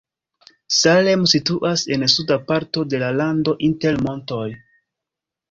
Salem situas en suda parto de la lando inter montoj.